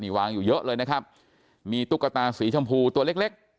วางอยู่เยอะเลยนะครับมีตุ๊กตาสีชมพูตัวเล็กเล็ก